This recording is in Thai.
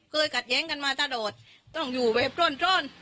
เคยกัดแย้งกันมาตลอดต้องอยู่เว็บต้น